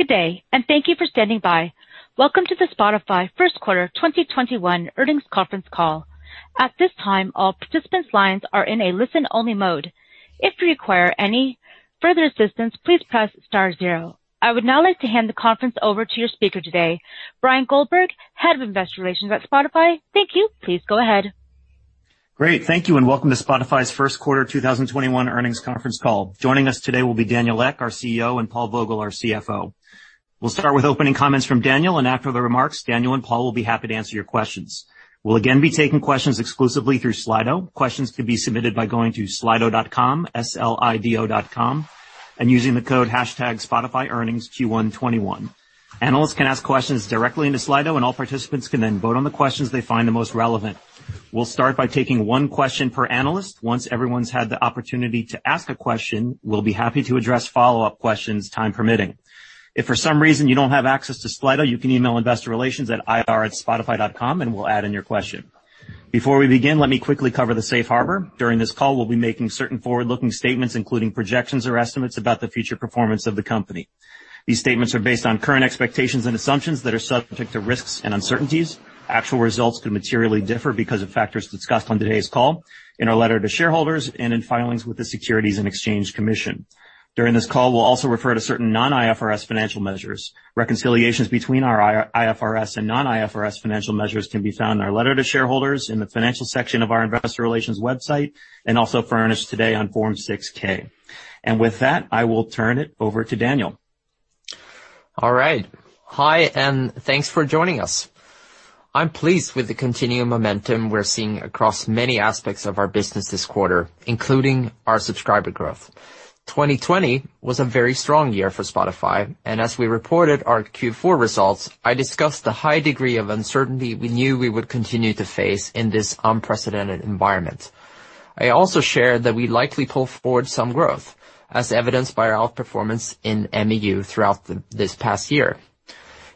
Good day, and thank you for standing by. Welcome to the Spotify First Quarter 2021 Earnings Conference Call. At this time, all participants' lines are in a listen-only mode. If you require any further assistance, please press star zero. I would now like to hand the conference over to your speaker today, Bryan Goldberg, Head of Investor Relations at Spotify. Thank you. Please go ahead. Great. Thank you, and welcome to Spotify's First Quarter 2021 Earnings Conference Call. Joining us today will be Daniel Ek, our CEO, and Paul Vogel, our CFO. We'll start with opening comments from Daniel. After the remarks, Daniel and Paul will be happy to answer your questions. We'll again be taking questions exclusively through Slido. Questions can be submitted by going to slido.com, S-L-I-D-O.com, using the code hashtag SpotifyEarningsQ121. Analysts can ask questions directly into Slido. All participants can then vote on the questions they find the most relevant. We'll start by taking one question per analyst. Once everyone's had the opportunity to ask a question, we'll be happy to address follow-up questions, time permitting. If for some reason you don't have access to Slido, you can email investor relations at ir@spotify.com. We'll add in your question. Before we begin, let me quickly cover the Safe Harbor. During this call, we'll be making certain forward-looking statements, including projections or estimates about the future performance of the company. These statements are based on current expectations and assumptions that are subject to risks and uncertainties. Actual results could materially differ because of factors discussed on today's call, in our letter to shareholders, and in filings with the Securities and Exchange Commission. During this call, we'll also refer to certain non-IFRS financial measures. Reconciliations between our IFRS and non-IFRS financial measures can be found in our letter to shareholders in the financial section of our investor relations website and also furnished today on Form 6-K. With that, I will turn it over to Daniel. All right. Hi, and thanks for joining us. I'm pleased with the continuing momentum we're seeing across many aspects of our business this quarter, including our subscriber growth. 2020 was a very strong year for Spotify, and as we reported our Q4 results, I discussed the high degree of uncertainty we knew we would continue to face in this unprecedented environment. I also shared that we'd likely pull forward some growth, as evidenced by our outperformance in MAU throughout this past year.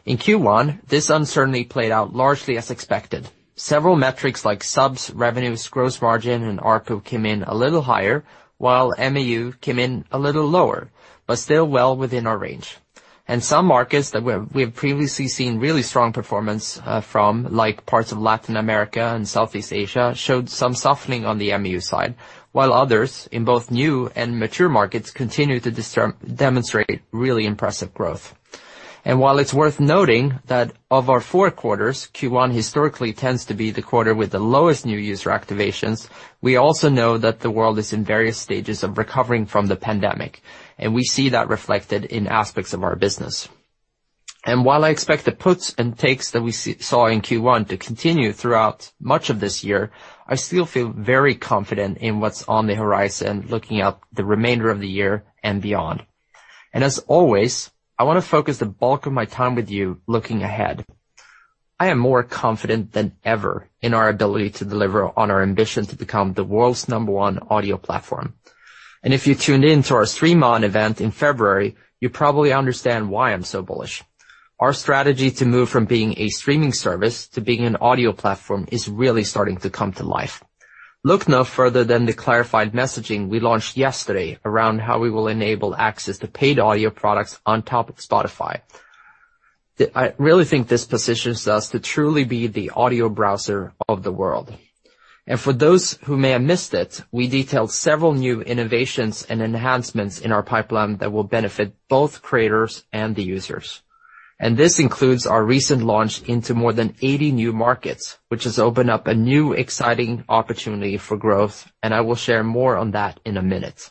In Q1, this uncertainty played out largely as expected. Several metrics like subs, revenues, gross margin, and ARPU came in a little higher, while MAU came in a little lower, but still well within our range. Some markets that we've previously seen really strong performance from, like parts of Latin America and Southeast Asia, showed some softening on the MAU side, while others in both new and mature markets continued to demonstrate really impressive growth. While it's worth noting that of our four quarters, Q1 historically tends to be the quarter with the lowest new user activations, we also know that the world is in various stages of recovering from the pandemic, and we see that reflected in aspects of our business. While I expect the puts and takes that we saw in Q1 to continue throughout much of this year, I still feel very confident in what's on the horizon looking out the remainder of the year and beyond. As always, I want to focus the bulk of my time with you looking ahead. I am more confident than ever in our ability to deliver on our ambition to become the world's number one audio platform. If you tuned in to our Stream On event in February, you probably understand why I'm so bullish. Our strategy to move from being a streaming service to being an audio platform is really starting to come to life. Look no further than the clarified messaging we launched yesterday around how we will enable access to paid audio products on top of Spotify. I really think this positions us to truly be the audio browser of the world. For those who may have missed it, we detailed several new innovations and enhancements in our pipeline that will benefit both creators and the users. This includes our recent launch into more than 80 new markets, which has opened up a new, exciting opportunity for growth, and I will share more on that in a minute.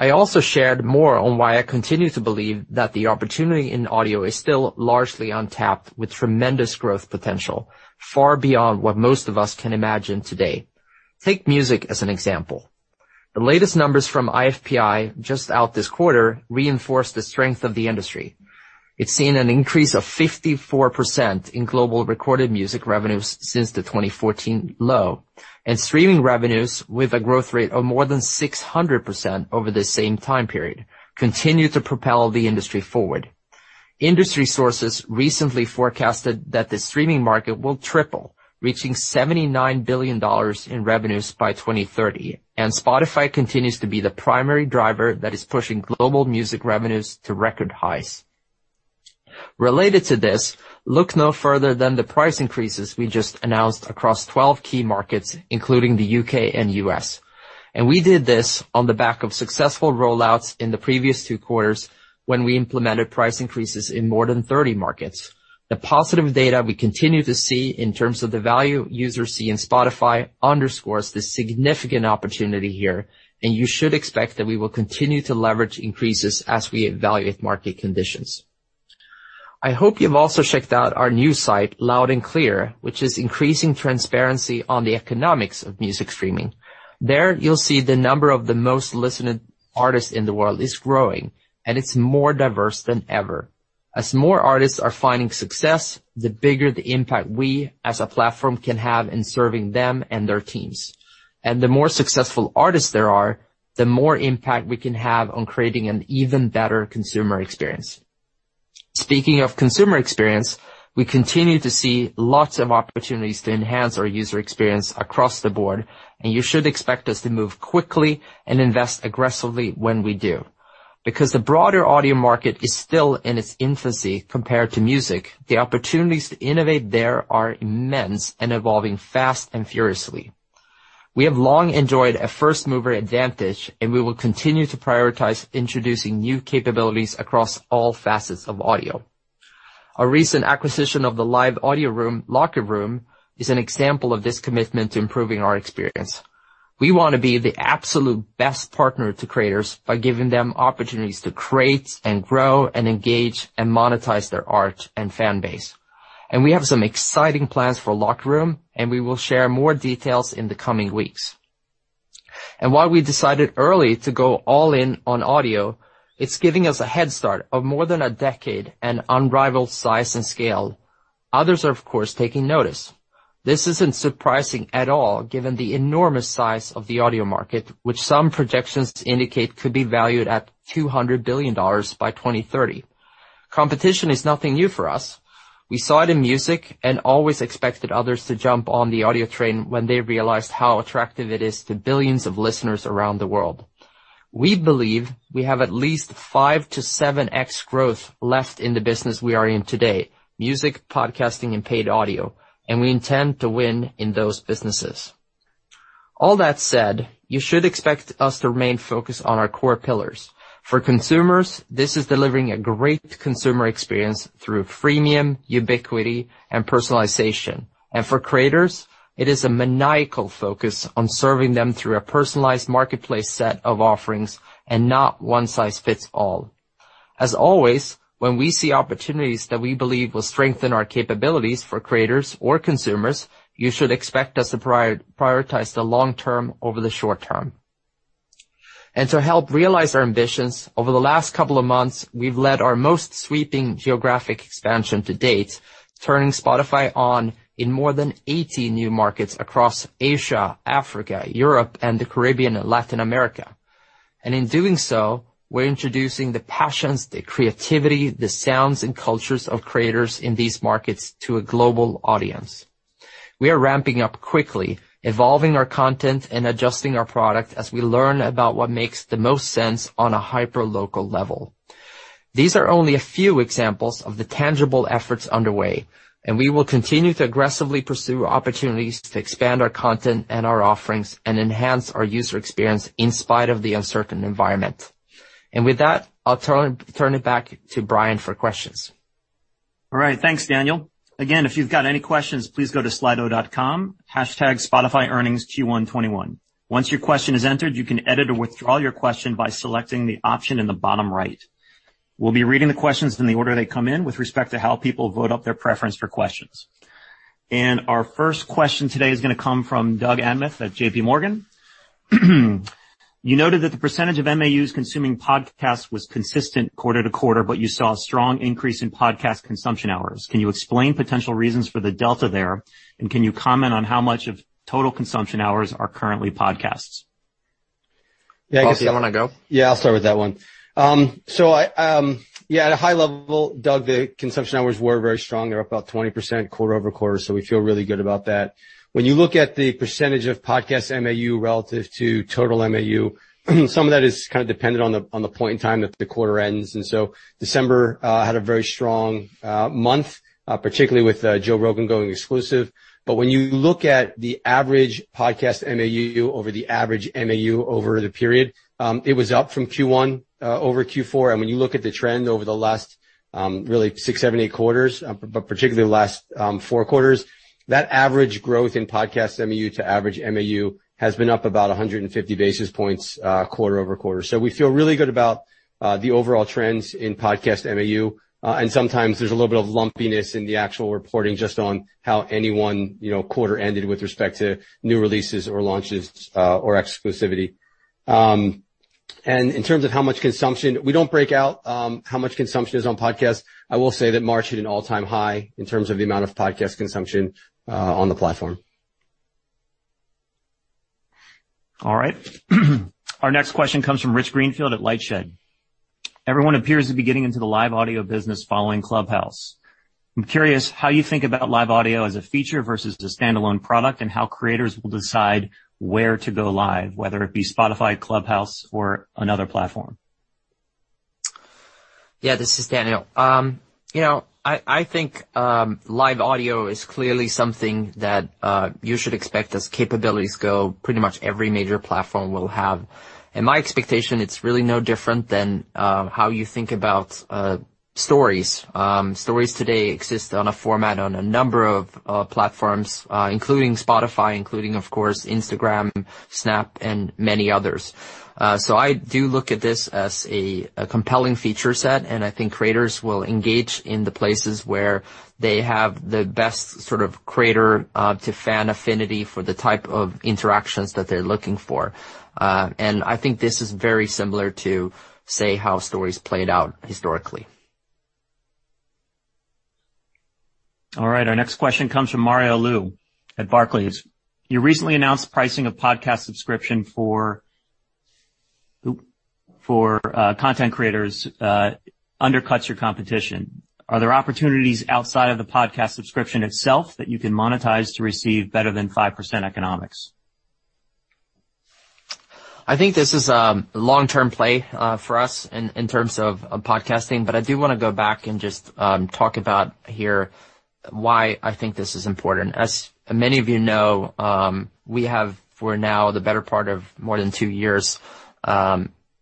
I also shared more on why I continue to believe that the opportunity in audio is still largely untapped with tremendous growth potential, far beyond what most of us can imagine today. Take music as an example. The latest numbers from IFPI, just out this quarter, reinforce the strength of the industry. It's seen an increase of 54% in global recorded music revenues since the 2014 low, and streaming revenues, with a growth rate of more than 600% over the same time period, continue to propel the industry forward. Industry sources recently forecasted that the streaming market will triple, reaching EUR 79 billion in revenues by 2030. Spotify continues to be the primary driver that is pushing global music revenues to record highs. Related to this, look no further than the price increases we just announced across 12 key markets, including the U.K. and U.S. We did this on the back of successful rollouts in the previous two quarters when we implemented price increases in more than 30 markets. The positive data we continue to see in terms of the value users see in Spotify underscores the significant opportunity here. You should expect that we will continue to leverage increases as we evaluate market conditions. I hope you've also checked out our new site, Loud & Clear, which is increasing transparency on the economics of music streaming. There, you'll see the number of the most listened artists in the world is growing, and it's more diverse than ever. As more artists are finding success, the bigger the impact we as a platform can have in serving them and their teams. The more successful artists there are, the more impact we can have on creating an even better consumer experience. Speaking of consumer experience, we continue to see lots of opportunities to enhance our user experience across the board, and you should expect us to move quickly and invest aggressively when we do. Because the broader audio market is still in its infancy compared to music, the opportunities to innovate there are immense and evolving fast and furiously. We have long enjoyed a first-mover advantage, and we will continue to prioritize introducing new capabilities across all facets of audio. Our recent acquisition of the live audio room, Locker Room, is an example of this commitment to improving our experience. We want to be the absolute best partner to creators by giving them opportunities to create and grow and engage and monetize their art and fan base. We have some exciting plans for Locker Room, and we will share more details in the coming weeks. While we decided early to go all in on audio, it's giving us a headstart of more than a decade and unrivaled size and scale. Others are, of course, taking notice. This isn't surprising at all given the enormous size of the audio market, which some projections indicate could be valued at $200 billion by 2030. Competition is nothing new for us. We saw it in music and always expected others to jump on the audio train when they realized how attractive it is to billions of listeners around the world. We believe we have at least 5x-7x growth left in the business we are in today, music, podcasting, and paid audio, and we intend to win in those businesses. All that said, you should expect us to remain focused on our core pillars. For consumers, this is delivering a great consumer experience through freemium, ubiquity, and personalization. For creators, it is a maniacal focus on serving them through a personalized marketplace set of offerings and not one size fits all. As always, when we see opportunities that we believe will strengthen our capabilities for creators or consumers, you should expect us to prioritize the long term over the short term. To help realize our ambitions, over the last couple of months, we've led our most sweeping geographic expansion to date, turning Spotify on in more than 80 new markets across Asia, Africa, Europe, and the Caribbean and Latin America. In doing so, we're introducing the passions, the creativity, the sounds and cultures of creators in these markets to a global audience. We are ramping up quickly, evolving our content and adjusting our product as we learn about what makes the most sense on a hyperlocal level. These are only a few examples of the tangible efforts underway, and we will continue to aggressively pursue opportunities to expand our content and our offerings and enhance our user experience in spite of the uncertain environment. With that, I'll turn it back to Bryan for questions. Thanks, Daniel. If you've got any questions, please go to slido.com, #SpotifyEarningsQ121. Once your question is entered, you can edit or withdraw your question by selecting the option in the bottom right. We'll be reading the questions in the order they come in with respect to how people vote up their preference for questions. Our first question today is going to come from Doug Anmuth at JPMorgan. You noted that the percentage of MAUs consuming podcasts was consistent quarter-to-quarter, you saw a strong increase in podcast consumption hours. Can you explain potential reasons for the delta there, can you comment on how much of total consumption hours are currently podcasts? Yeah, Paul, do you want to go? Yeah, I'll start with that one. At a high level, Doug, the consumption hours were very strong. They're up about 20% quarter-over-quarter. We feel really good about that. When you look at the percentage of podcast MAU relative to total MAU, some of that is kind of dependent on the point in time that the quarter ends. December had a very strong month, particularly with Joe Rogan going exclusive. When you look at the average podcast MAU over the average MAU over the period, it was up from Q1 over Q4. When you look at the trend over the last really six, seven, eight quarters, but particularly the last four quarters, that average growth in podcast MAU to average MAU has been up about 150 basis points quarter-over-quarter. We feel really good about the overall trends in podcast MAU. Sometimes there's a little bit of lumpiness in the actual reporting just on how any one quarter ended with respect to new releases or launches, or exclusivity. In terms of how much consumption, we don't break out how much consumption is on podcasts. I will say that March hit an all-time high in terms of the amount of podcast consumption on the platform. All right. Our next question comes from Rich Greenfield at LightShed. Everyone appears to be getting into the live audio business following Clubhouse. I'm curious how you think about live audio as a feature versus the standalone product and how creators will decide where to go live, whether it be Spotify, Clubhouse, or another platform. Yeah, this is Daniel. I think live audio is clearly something that you should expect as capabilities go, pretty much every major platform will have. My expectation, it's really no different than how you think about stories. Stories today exist on a format on a number of platforms, including Spotify, including, of course, Instagram, Snap, and many others. I do look at this as a compelling feature set, and I think creators will engage in the places where they have the best sort of creator-to-fan affinity for the type of interactions that they're looking for. I think this is very similar to, say, how stories played out historically. All right, our next question comes from Mario Lu at Barclays. You recently announced pricing of podcast subscription for content creators undercuts your competition. Are there opportunities outside of the podcast subscription itself that you can monetize to receive better than 5% economics? I think this is a long-term play for us in terms of podcasting, but I do want to go back and just talk about here why I think this is important. As many of you know, we have for now the better part of more than two years,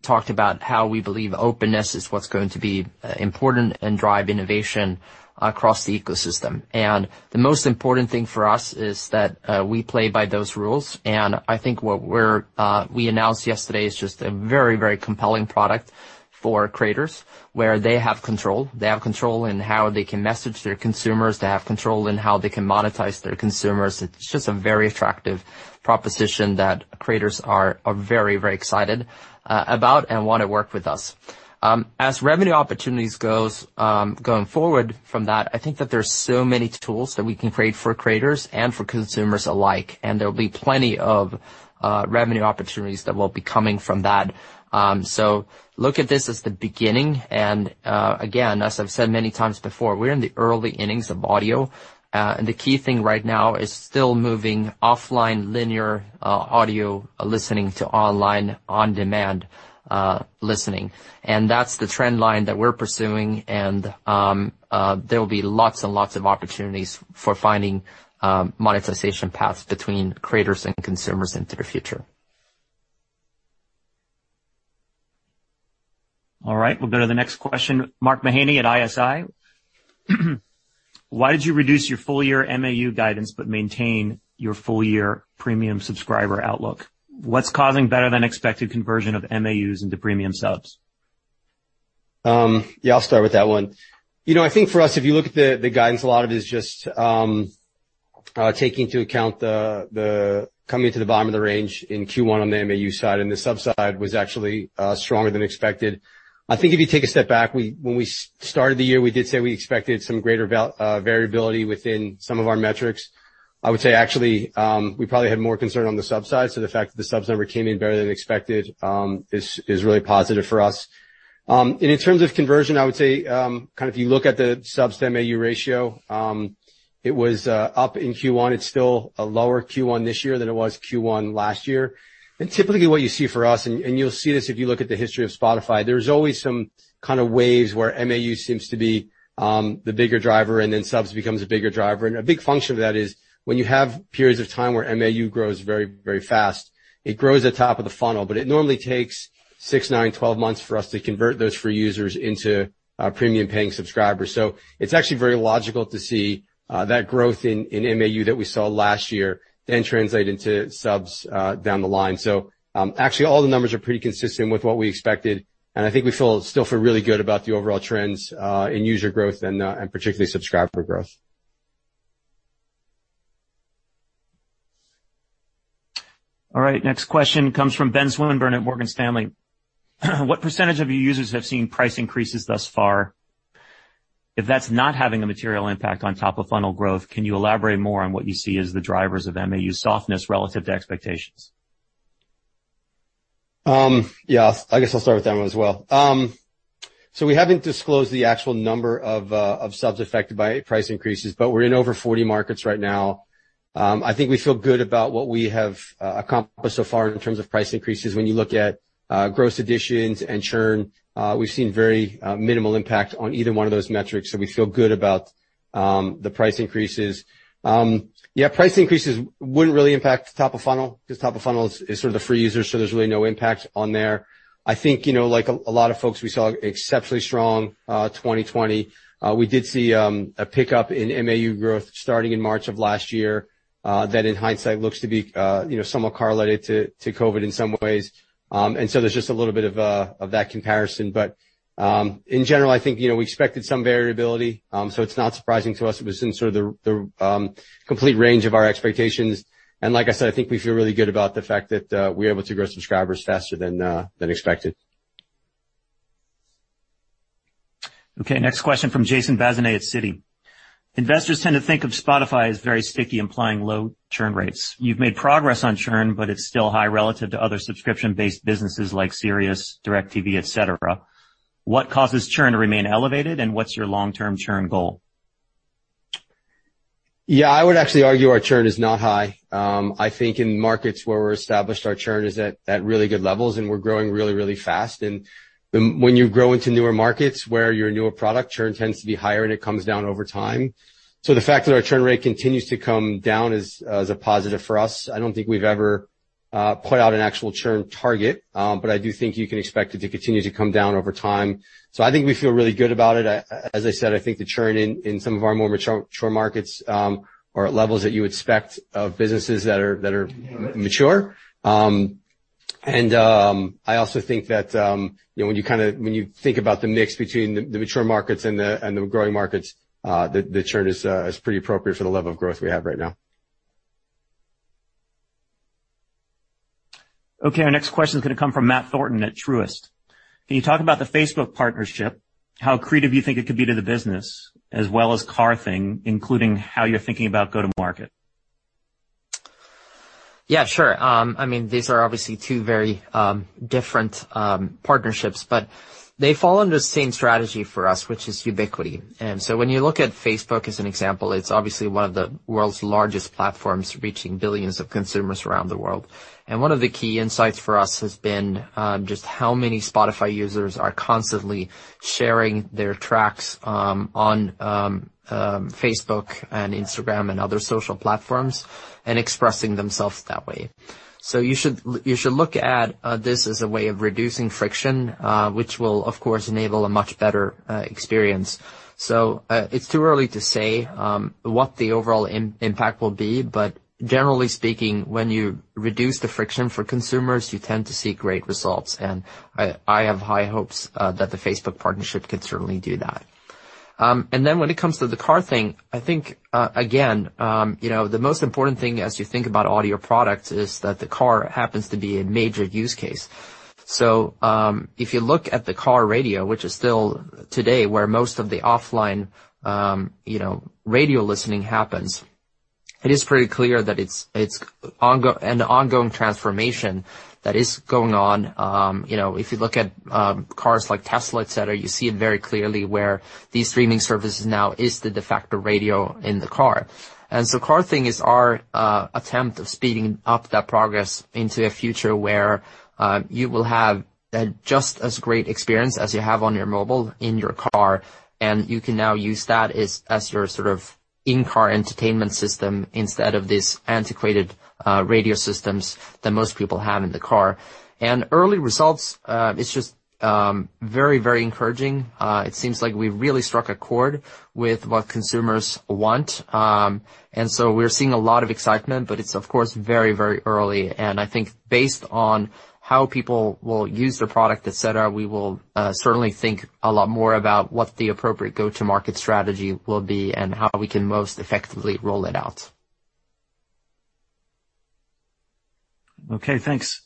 talked about how we believe openness is what's going to be important and drive innovation across the ecosystem. The most important thing for us is that we play by those rules. I think what we announced yesterday is just a very compelling product for creators where they have control. They have control in how they can message their consumers. They have control in how they can monetize their consumers. It's just a very attractive proposition that creators are very excited about and want to work with us. As revenue opportunities going forward from that, I think that there's so many tools that we can create for creators and for consumers alike, and there'll be plenty of revenue opportunities that will be coming from that. Look at this as the beginning. Again, as I've said many times before, we're in the early innings of audio. The key thing right now is still moving offline linear audio listening to online on-demand listening. That's the trend line that we're pursuing and there will be lots and lots of opportunities for finding monetization paths between creators and consumers into the future. All right. We'll go to the next question. Mark Mahaney at ISI. Why did you reduce your full-year MAU guidance but maintain your full-year premium subscriber outlook? What's causing better than expected conversion of MAUs into premium subs? Yeah, I'll start with that one. I think for us, if you look at the guidance, a lot of it is just taking into account the coming to the bottom of the range in Q1 on the MAU side and the sub-side was actually stronger than expected. I think if you take a step back, when we started the year, we did say we expected some greater variability within some of our metrics. I would say, actually, we probably had more concern on the sub side. The fact that the sub number came in better than expected is really positive for us. In terms of conversion, I would say, if you look at the subs to MAU ratio, it was up in Q1. It's still a lower Q1 this year than it was Q1 last year. Typically what you see for us, and you'll see this if you look at the history of Spotify, there's always some kind of waves where MAU seems to be the bigger driver and then subs becomes a bigger driver. A big function of that is when you have periods of time where MAU grows very fast, it grows at top of the funnel, but it normally takes six, nine, 12 months for us to convert those free users into premium paying subscribers. It's actually very logical to see that growth in MAU that we saw last year then translate into subs down the line. Actually all the numbers are pretty consistent with what we expected and I think we still feel really good about the overall trends in user growth and particularly subscriber growth. All right. Next question comes from Ben Swinburne at Morgan Stanley. What percentage of your users have seen price increases thus far? If that's not having a material impact on top of funnel growth, can you elaborate more on what you see as the drivers of MAU softness relative to expectations? Yeah. I guess I'll start with that one as well. We haven't disclosed the actual number of subs affected by price increases, but we're in over 40 markets right now. I think we feel good about what we have accomplished so far in terms of price increases. When you look at gross additions and churn, we've seen very minimal impact on either one of those metrics, so we feel good about the price increases. Yeah, price increases wouldn't really impact top of funnel because top of funnel is sort of the free user, so there's really no impact on there. I think, like a lot of folks, we saw exceptionally strong 2020. We did see a pickup in MAU growth starting in March of last year. That in hindsight looks to be somewhat correlated to COVID in some ways. There's just a little bit of that comparison. In general, I think we expected some variability, so it's not surprising to us. It was in sort of the complete range of our expectations. Like I said, I think we feel really good about the fact that we're able to grow subscribers faster than expected. Okay, next question from Jason Bazinet at Citi. Investors tend to think of Spotify as very sticky, implying low churn rates. You've made progress on churn, but it's still high relative to other subscription-based businesses like SiriusXM, DirecTV, et cetera. What causes churn to remain elevated and what's your long-term churn goal? Yeah, I would actually argue our churn is not high. I think in markets where we're established, our churn is at really good levels and we're growing really fast. When you grow into newer markets where you're a newer product, churn tends to be higher and it comes down over time. The fact that our churn rate continues to come down is a positive for us. I don't think we've ever put out an actual churn target. I do think you can expect it to continue to come down over time. I think we feel really good about it. As I said, I think the churn in some of our more mature markets are at levels that you expect of businesses that are mature. I also think that when you think about the mix between the mature markets and the growing markets, the churn is pretty appropriate for the level of growth we have right now. Okay, our next question is going to come from Matt Thornton at Truist. Can you talk about the Facebook partnership, how creative you think it could be to the business, as well as Car Thing, including how you're thinking about go-to-market? Yeah, sure. These are obviously two very different partnerships, but they fall under the same strategy for us, which is ubiquity. When you look at Facebook as an example, it's obviously one of the world's largest platforms, reaching billions of consumers around the world. One of the key insights for us has been just how many Spotify users are constantly sharing their tracks on Facebook and Instagram and other social platforms and expressing themselves that way. You should look at this as a way of reducing friction, which will, of course, enable a much better experience. It's too early to say what the overall impact will be. Generally speaking, when you reduce the friction for consumers, you tend to see great results. I have high hopes that the Facebook partnership can certainly do that. When it comes to the Car Thing, I think, again, the most important thing as you think about audio products is that the car happens to be a major use case. If you look at the car radio, which is still today where most of the offline radio listening happens, it is pretty clear that it's an ongoing transformation that is going on. If you look at cars like Tesla, et cetera, you see it very clearly where these streaming services now is the de facto radio in the car. Car Thing is our attempt of speeding up that progress into a future where you will have a just as great experience as you have on your mobile, in your car, and you can now use that as your sort of in-car entertainment system instead of these antiquated radio systems that most people have in the car. Early results, it's just very encouraging. It seems like we've really struck a chord with what consumers want. We're seeing a lot of excitement, but it's, of course, very early. I think based on how people will use the product, et cetera, we will certainly think a lot more about what the appropriate go-to-market strategy will be and how we can most effectively roll it out. Okay, thanks.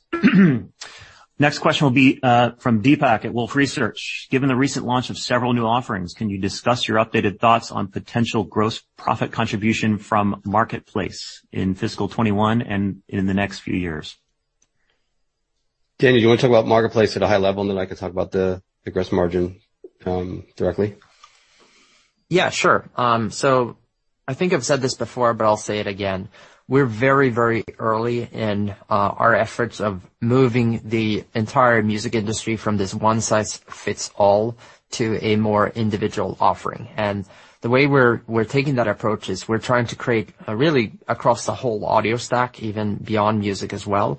Next question will be, from Deepak at Wolfe Research. Given the recent launch of several new offerings, can you discuss your updated thoughts on potential gross profit contribution from Marketplace in fiscal 2021 and in the next few years? Daniel, do you want to talk about Marketplace at a high level, and then I can talk about the gross margin directly? Yeah, sure. I think I've said this before, but I'll say it again. We're very early in our efforts of moving the entire music industry from this one-size-fits-all to a more individual offering. The way we're taking that approach is we're trying to create, really across the whole audio stack, even beyond music as well,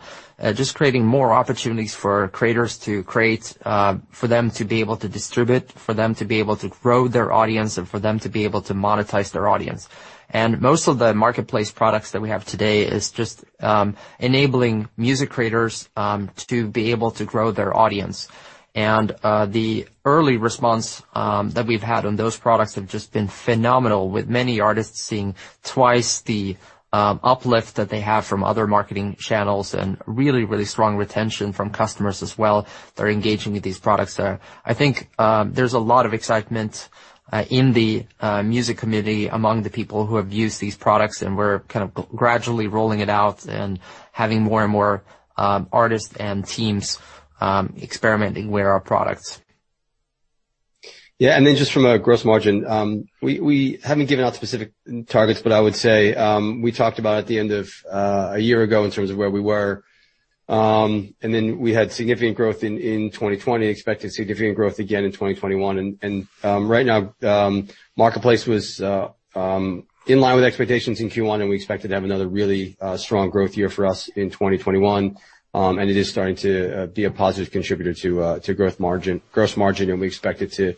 just creating more opportunities for creators to create, for them to be able to distribute, for them to be able to grow their audience, and for them to be able to monetize their audience. Most of the Marketplace products that we have today is just enabling music creators to be able to grow their audience. The early response that we've had on those products have just been phenomenal, with many artists seeing twice the uplift that they have from other marketing channels and really strong retention from customers as well that are engaging with these products. I think there's a lot of excitement in the music community among the people who have used these products, and we're kind of gradually rolling it out and having more and more artists and teams experimenting with our products. Yeah. Just from a gross margin, we haven't given out specific targets, but I would say, we talked about at the end of a year ago in terms of where we were. We had significant growth in 2020, expect to see significant growth again in 2021. Right now, Marketplace was in line with expectations in Q1, and we expect it to have another really strong growth year for us in 2021. It is starting to be a positive contributor to gross margin, and we expect it to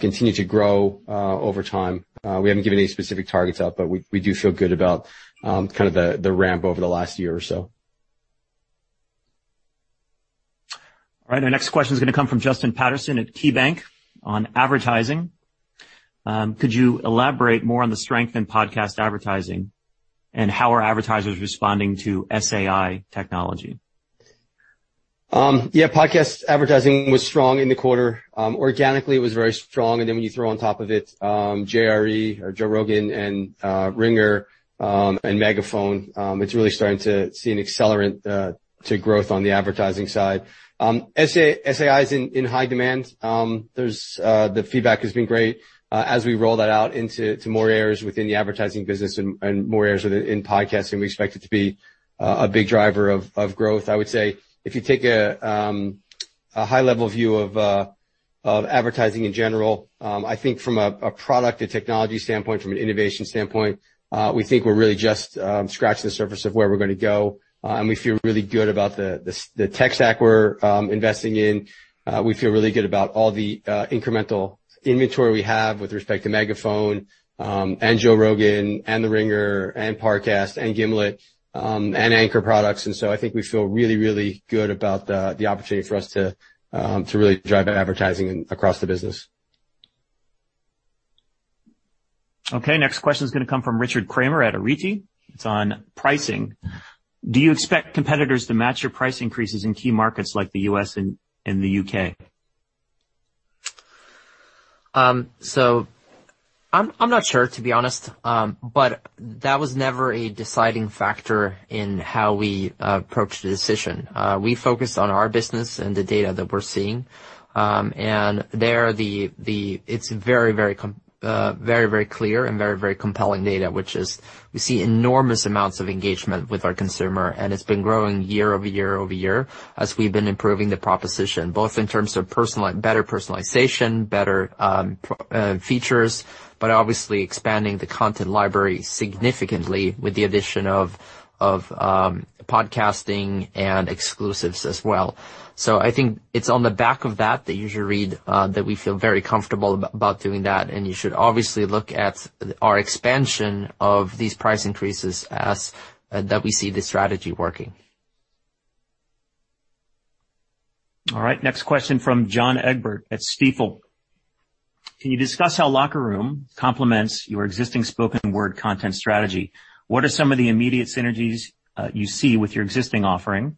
continue to grow over time. We haven't given any specific targets out, but we do feel good about kind of the ramp over the last year or so. All right, our next question is going to come from Justin Patterson at KeyBanc on advertising. Could you elaborate more on the strength in podcast advertising, and how are advertisers responding to SAI technology? Yeah. Podcast advertising was strong in the quarter. Organically, it was very strong, and then when you throw on top of it JRE or Joe Rogan and Ringer, and Megaphone, it is really starting to see an accelerant to growth on the advertising side. SAI is in high demand. The feedback has been great as we roll that out into more areas within the advertising business and more areas within podcasting. We expect it to be a big driver of growth. I would say, if you take a high-level view of advertising in general, I think from a product, a technology standpoint, from an innovation standpoint, we think we are really just scratching the surface of where we are going to go. We feel really good about the tech stack we are investing in. We feel really good about all the incremental inventory we have with respect to Megaphone, Joe Rogan, The Ringer, Parcast, Gimlet, and Anchor products. I think we feel really good about the opportunity for us to really drive advertising across the business. Okay, next question is going to come from Richard Kramer at Arete. It's on pricing. Do you expect competitors to match your price increases in key markets like the U.S. and the U.K.? I'm not sure, to be honest. That was never a deciding factor in how we approached the decision. We focused on our business and the data that we're seeing. There, it's very clear and very compelling data, which is we see enormous amounts of engagement with our consumer, and it's been growing year-over-year as we've been improving the proposition, both in terms of better personalization, better features, but obviously expanding the content library significantly with the addition of podcasting and exclusives as well. I think it's on the back of that, the user read, that we feel very comfortable about doing that, and you should obviously look at our expansion of these price increases as that we see the strategy working. All right, next question from John Egbert at Stifel. Can you discuss how Locker Room complements your existing spoken word content strategy? What are some of the immediate synergies you see with your existing offering?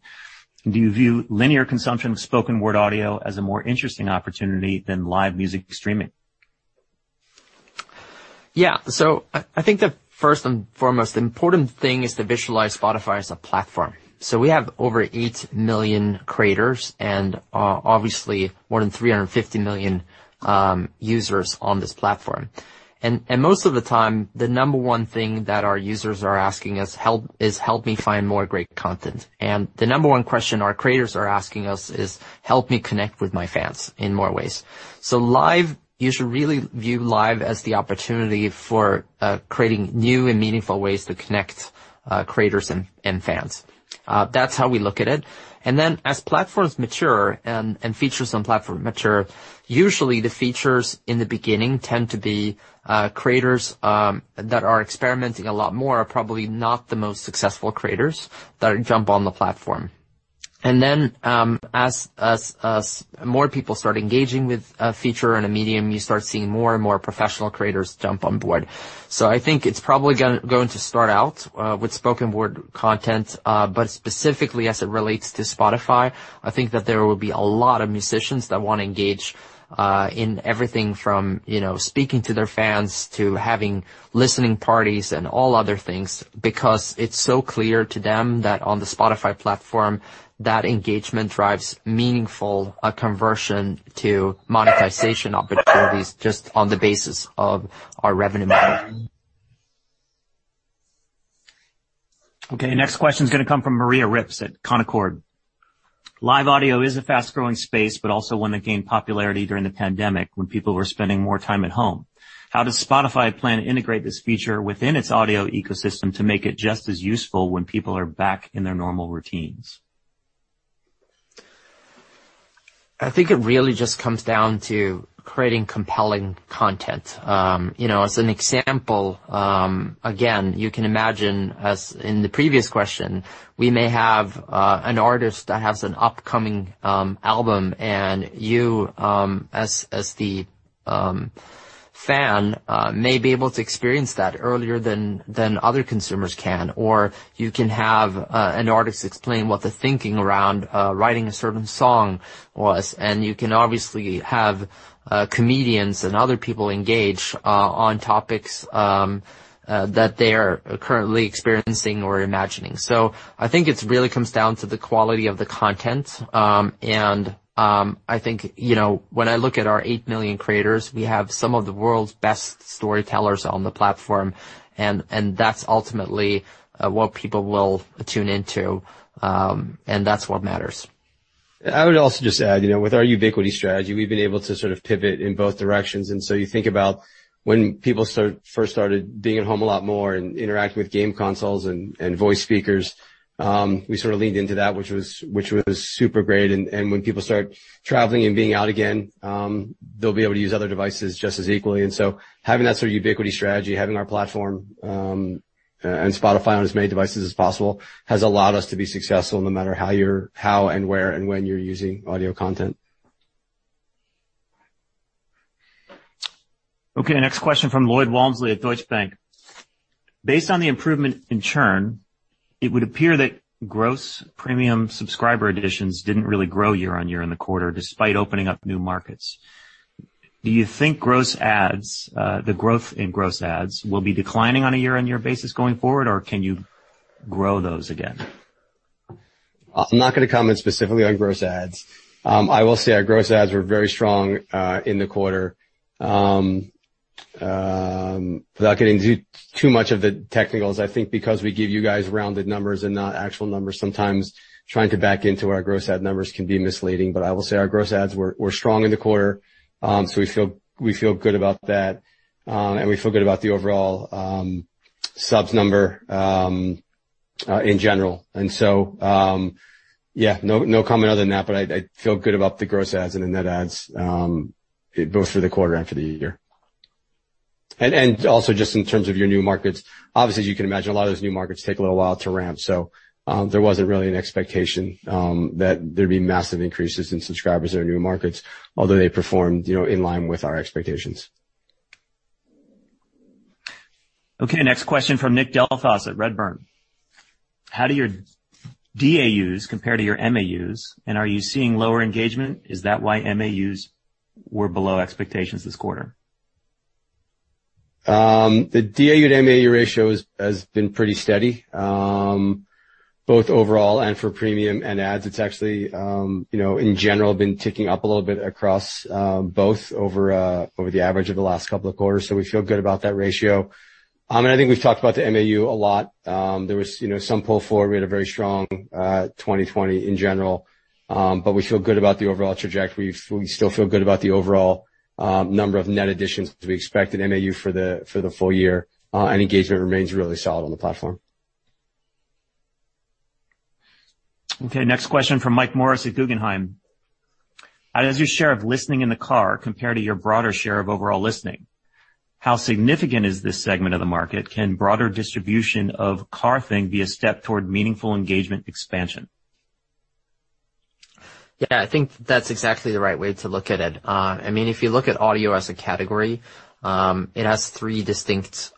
Do you view linear consumption of spoken word audio as a more interesting opportunity than live music streaming? Yeah. I think the first and foremost important thing is to visualize Spotify as a platform. We have over eight million creators and obviously more than 350 million users on this platform. Most of the time, the number one thing that our users are asking us is, "Help me find more great content." The number one question our creators are asking us is, "Help me connect with my fans in more ways." You should really view Live as the opportunity for creating new and meaningful ways to connect creators and fans. That's how we look at it. As platforms mature and features on platform mature, usually the features in the beginning tend to be creators that are experimenting a lot more, are probably not the most successful creators that jump on the platform. As more people start engaging with a feature and a medium, you start seeing more and more professional creators jump on board. I think it's probably going to start out with spoken word content. Specifically as it relates to Spotify, I think that there will be a lot of musicians that want to engage, in everything from speaking to their fans to having listening parties and all other things, because it's so clear to them that on the Spotify platform, that engagement drives meaningful conversion to monetization opportunities just on the basis of our revenue model. Okay, next question's going to come from Maria Ripps at Canaccord Genuity. Live audio is a fast-growing space, but also one that gained popularity during the pandemic when people were spending more time at home. How does Spotify plan to integrate this feature within its audio ecosystem to make it just as useful when people are back in their normal routines? I think it really just comes down to creating compelling content. As an example, again, you can imagine, as in the previous question, we may have an artist that has an upcoming album, and you, as the fan, may be able to experience that earlier than other consumers can. You can have an artist explain what the thinking around writing a certain song was, and you can obviously have comedians and other people engage on topics that they are currently experiencing or imagining. I think it really comes down to the quality of the content. I think when I look at our eight million creators, we have some of the world's best storytellers on the platform, and that's ultimately what people will tune into, and that's what matters. I would also just add, with our ubiquity strategy, we've been able to sort of pivot in both directions. You think about when people first started being at home a lot more and interacting with game consoles and voice speakers, we sort of leaned into that, which was super great. When people start traveling and being out again, they'll be able to use other devices just as equally. Having that sort of ubiquity strategy, having our platform and Spotify on as many devices as possible, has allowed us to be successful no matter how and where and when you're using audio content. Okay, next question from Lloyd Walmsley at Deutsche Bank. Based on the improvement in churn, it would appear that gross premium subscriber additions didn't really grow year-on-year in the quarter, despite opening up new markets. Do you think the growth in gross adds will be declining on a year-on-year basis going forward, or can you grow those again? I'm not going to comment specifically on gross adds. I will say our gross adds were very strong in the quarter. Without getting into too much of the technicals, I think because we give you guys rounded numbers and not actual numbers, sometimes trying to back into our gross add numbers can be misleading. I will say our gross adds were strong in the quarter, so we feel good about that, and we feel good about the overall subs number in general. Yeah, no comment other than that, but I feel good about the gross adds and the net adds both for the quarter and for the year. Also, just in terms of your new markets, obviously, as you can imagine, a lot of those new markets take a little while to ramp. There wasn't really an expectation that there'd be massive increases in subscribers in our new markets, although they performed in line with our expectations. Okay, next question from Nick Delfas at Redburn. How do your DAUs compare to your MAUs, and are you seeing lower engagement? Is that why MAUs were below expectations this quarter? The DAU to MAU ratio has been pretty steady, both overall and for premium and ads. It's actually, in general, been ticking up a little bit across both over the average of the last couple of quarters. We feel good about that ratio. I think we've talked about the MAU a lot. There was some pull forward. We had a very strong 2020 in general. We feel good about the overall trajectory. We still feel good about the overall number of net additions that we expect in MAU for the full year. Engagement remains really solid on the platform. Okay, next question from Mike Morris at Guggenheim. How does your share of listening in the car compare to your broader share of overall listening? How significant is this segment of the market? Can broader distribution of Car Thing be a step toward meaningful engagement expansion? Yeah, I think that's exactly the right way to look at it. If you look at audio as a category, it has three distinct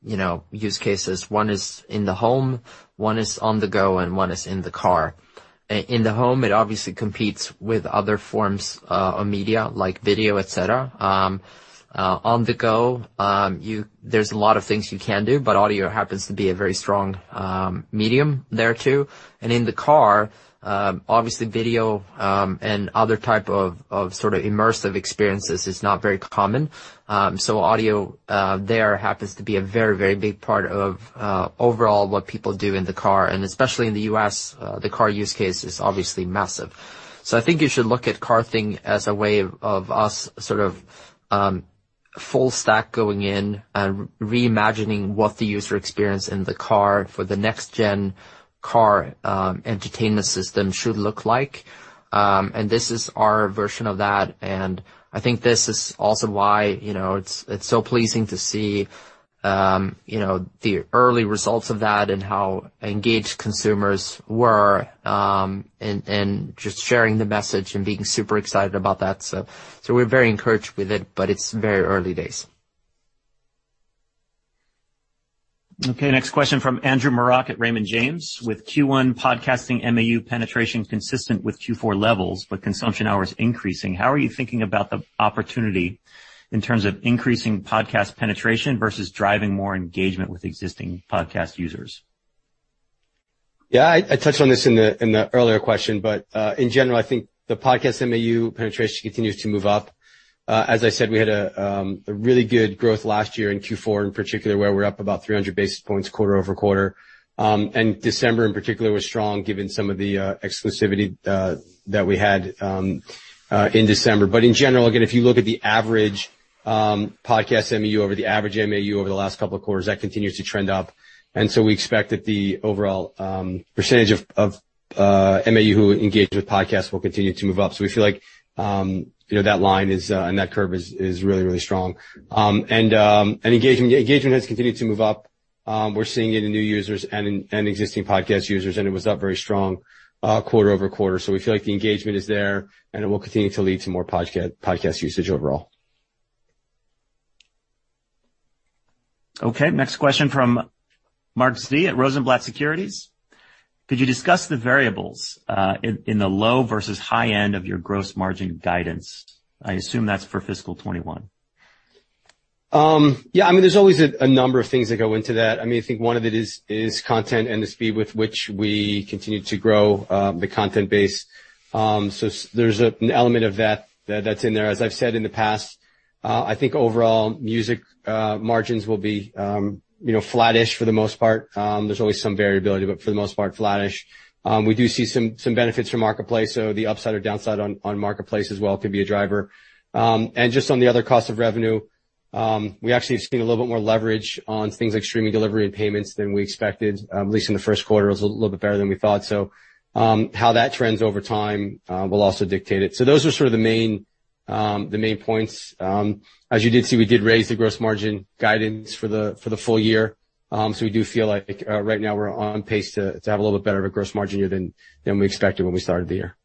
use cases. One is in the home, one is on the go, and one is in the car. In the home, it obviously competes with other forms of media, like video, et cetera. On the go, there's a lot of things you can do, but audio happens to be a very strong medium there, too. In the car, obviously video, and other type of immersive experiences is not very common. Audio there happens to be a very big part of overall what people do in the car, and especially in the U.S., the car use case is obviously massive. I think you should look at Car Thing as a way of us full stack going in and reimagining what the user experience in the car for the next-gen car entertainment system should look like. This is our version of that, and I think this is also why it's so pleasing to see the early results of that and how engaged consumers were, and just sharing the message and being super excited about that. We're very encouraged with it, but it's very early days. Next question from Andrew Marok at Raymond James. With Q1 podcasting MAU penetration consistent with Q4 levels, but consumption hours increasing, how are you thinking about the opportunity in terms of increasing podcast penetration versus driving more engagement with existing podcast users? Yeah, I touched on this in the earlier question. In general, I think the podcast MAU penetration continues to move up. As I said, we had a really good growth last year in Q4, in particular, where we're up about 300 basis points quarter-over-quarter. December in particular was strong given some of the exclusivity that we had in December. In general, again, if you look at the average podcast MAU over the average MAU over the last couple of quarters, that continues to trend up. We expect that the overall percentage of MAU who engage with podcasts will continue to move up. We feel like that line and that curve is really strong. Engagement has continued to move up. We're seeing it in new users and in existing podcast users, and it was up very strong quarter-over-quarter. We feel like the engagement is there, and it will continue to lead to more podcast usage overall. Okay, next question from Mark Zgutowicz at Rosenblatt Securities. Could you discuss the variables in the low versus high end of your gross margin guidance? I assume that's for fiscal 2021. There's always a number of things that go into that. I think one of it is content and the speed with which we continue to grow the content base. There's an element of that that's in there. As I've said in the past, I think overall music margins will be flattish for the most part. There's always some variability, but for the most part, flattish. We do see some benefits from Marketplace. The upside or downside on Marketplace as well could be a driver. Just on the other cost of revenue, we actually have seen a little bit more leverage on things like streaming delivery and payments than we expected. At least in the first quarter, it was a little bit better than we thought. How that trends over time will also dictate it. Those are sort of the main points. As you did see, we did raise the gross margin guidance for the full year. We do feel like right now we're on pace to have a little bit better of a gross margin here than we expected when we started the year.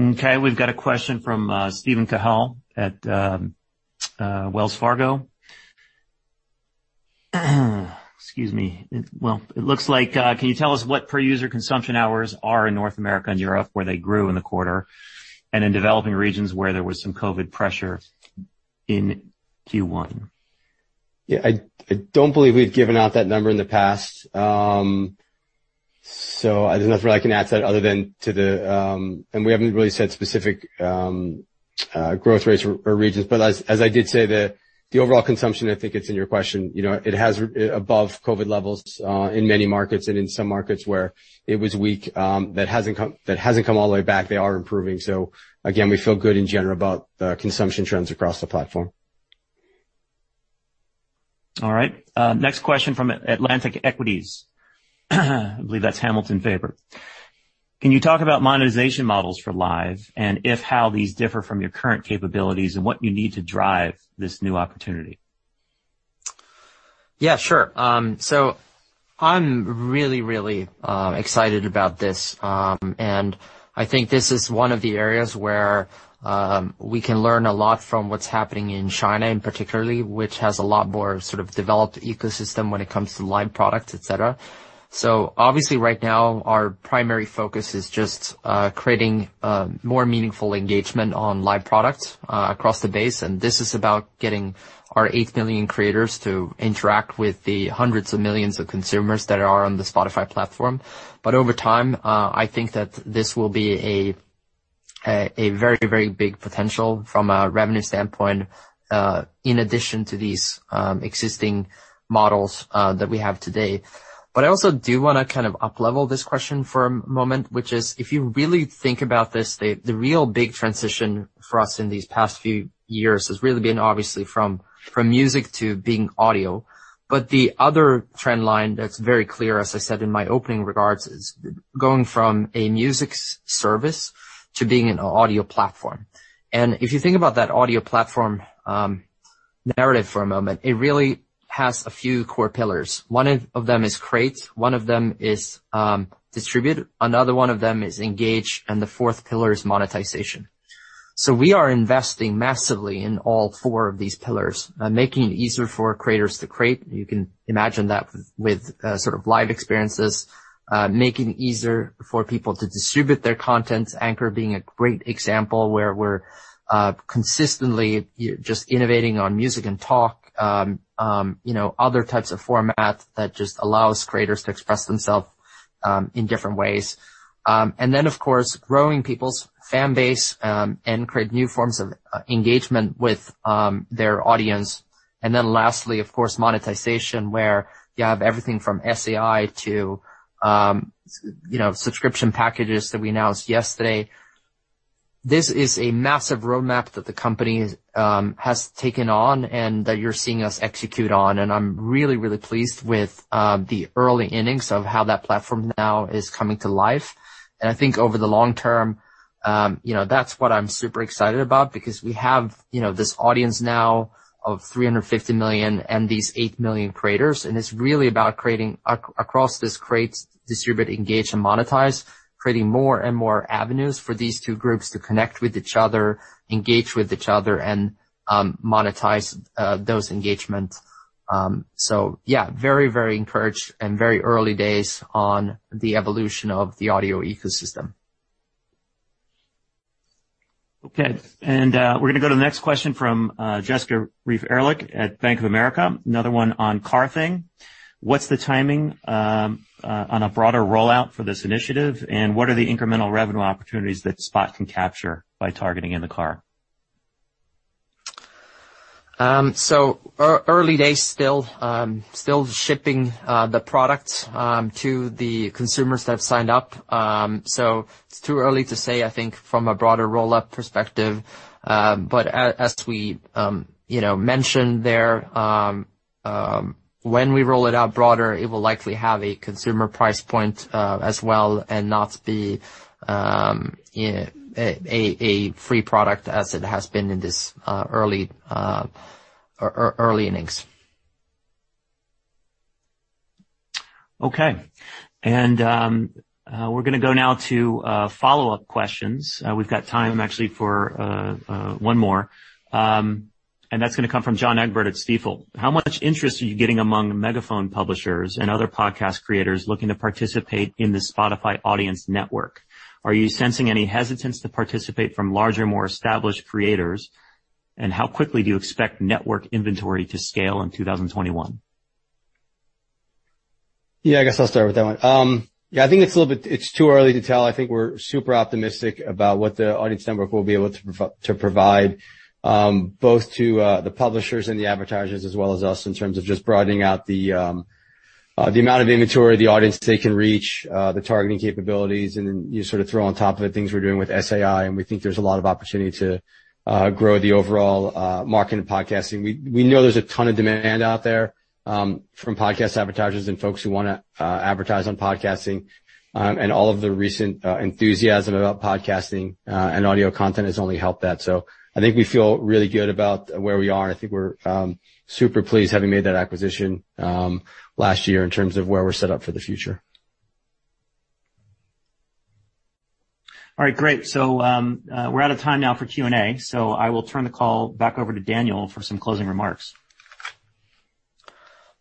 Okay, we've got a question from Steven Cahall at Wells Fargo. Excuse me. Well, it looks like, can you tell us what per user consumption hours are in North America and Europe, where they grew in the quarter, and in developing regions where there was some COVID pressure in Q1? Yeah, I don't believe we've given out that number in the past. There's nothing I can add to that other than and we haven't really said specific growth rates for regions. As I did say, the overall consumption, I think it's in your question. It has above COVID levels, in many markets, and in some markets where it was weak, that hasn't come all the way back. They are improving. Again, we feel good in general about the consumption trends across the platform. All right. Next question from Atlantic Equities. I believe that's Hamilton Faber. Can you talk about monetization models for Live, how these differ from your current capabilities and what you need to drive this new opportunity? Yeah, sure. I'm really, really excited about this, I think this is one of the areas where we can learn a lot from what's happening in China, in particular, which has a lot more sort of developed ecosystem when it comes to live products, et cetera. Obviously, right now, our primary focus is just creating more meaningful engagement on live products across the base. This is about getting our eight million creators to interact with the hundreds of millions of consumers that are on the Spotify platform. Over time, I think that this will be a very, very big potential from a revenue standpoint, in addition to these existing models that we have today. I also do want to kind of up level this question for a moment, which is, if you really think about this, the real big transition for us in these past few years has really been obviously from music to being audio. The other trend line that's very clear, as I said in my opening regards, is going from a music service to being an audio platform. If you think about that audio platform narrative for a moment, it really has a few core pillars. One of them is create, one of them is distribute, another one of them is engage, and the fourth pillar is monetization. We are investing massively in all four of these pillars, making it easier for creators to create. You can imagine that with sort of live experiences, making it easier for people to distribute their content. Anchor being a great example where we're consistently just innovating on music and talk, other types of formats that just allows creators to express themselves in different ways. Of course, growing people's fan base, and create new forms of engagement with their audience. Lastly, of course, monetization, where you have everything from SAI to subscription packages that we announced yesterday. This is a massive roadmap that the company has taken on and that you're seeing us execute on. I'm really, really pleased with the early innings of how that platform now is coming to life. I think over the long term, that's what I'm super excited about, because we have this audience now of 350 million and these eight million creators, and it's really about creating across this create, distribute, engage, and monetize, creating more and more avenues for these two groups to connect with each other, engage with each other, and monetize those engagements. Yeah, very, very encouraged and very early days on the evolution of the audio ecosystem. Okay. We're going to go to the next question from Jessica Reif Ehrlich at Bank of America. Another one on Car Thing. What's the timing on a broader rollout for this initiative, and what are the incremental revenue opportunities that Spotify can capture by targeting in the car? Early days still. Still shipping the product to the consumers that have signed up. It's too early to say, I think, from a broader rollout perspective. As we mentioned there, when we roll it out broader, it will likely have a consumer price point as well and not be a free product as it has been in this early innings. Okay. We're going to go now to follow-up questions. We've got time actually for one more. That's going to come from John Egbert at Stifel. How much interest are you getting among Megaphone publishers and other podcast creators looking to participate in the Spotify Audience Network? Are you sensing any hesitance to participate from larger, more established creators? How quickly do you expect network inventory to scale in 2021? Yeah, I guess I'll start with that one. Yeah, I think it's too early to tell. I think we're super optimistic about what the Audience Network will be able to provide, both to the publishers and the advertisers as well as us, in terms of just broadening out the amount of inventory, the audience they can reach, the targeting capabilities, and then you sort of throw on top of it things we're doing with SAI, and we think there's a lot of opportunity to grow the overall market in podcasting. We know there's a ton of demand out there from podcast advertisers and folks who want to advertise on podcasting. All of the recent enthusiasm about podcasting and audio content has only helped that. I think we feel really good about where we are, and I think we're super pleased, having made that acquisition last year, in terms of where we're set up for the future. All right, great. We're out of time now for Q&A, so I will turn the call back over to Daniel for some closing remarks.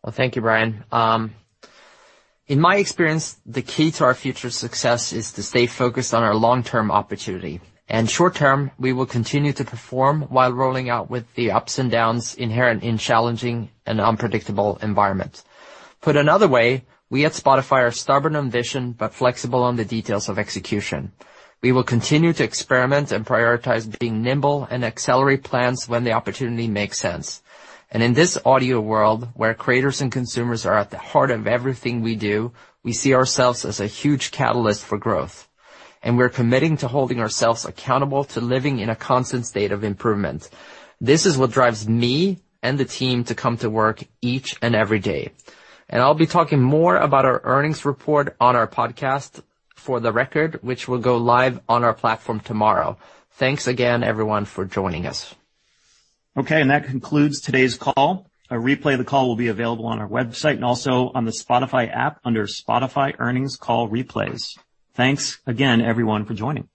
Well, thank you, Bryan. In my experience, the key to our future success is to stay focused on our long-term opportunity. Short-term, we will continue to perform while rolling out with the ups and downs inherent in challenging and unpredictable environments. Put another way, we at Spotify are stubborn on vision, but flexible on the details of execution. We will continue to experiment and prioritize being nimble and accelerate plans when the opportunity makes sense. In this audio world, where creators and consumers are at the heart of everything we do, we see ourselves as a huge catalyst for growth. We're committing to holding ourselves accountable to living in a constant state of improvement. This is what drives me and the team to come to work each and every day. I'll be talking more about our earnings report on our podcast, "For the Record," which will go live on our platform tomorrow. Thanks again, everyone, for joining us. Okay, that concludes today's call. A replay of the call will be available on our website and also on the Spotify app under Spotify earnings call replays. Thanks again, everyone, for joining.